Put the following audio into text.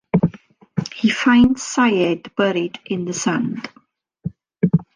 He finds Sayid buried in the sand.